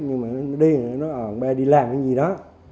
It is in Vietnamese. nhưng mà nó đi nó ờn bè đi làm cái gì đó